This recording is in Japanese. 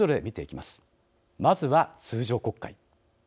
まずは通常国会。